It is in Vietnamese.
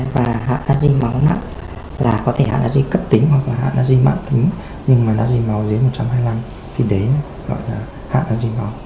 và hạ nát ri máu nặng là có thể hạ nát ri cấp tính hoặc hạ nát ri mạng tính nhưng mà nát ri máu dưới một trăm hai mươi năm thì đấy gọi là hạ nát ri máu